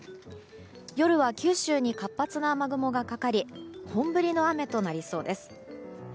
夜は九州に活発な雨雲がかかり本降りの雨となりそうです。